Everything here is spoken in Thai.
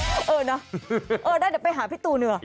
เออนะเออได้เดี๋ยวไปหาพี่ตูนค่ะ